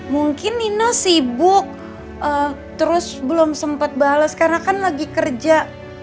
mungkin nino sibuk terus belum sempat bales karena kan lagi kerja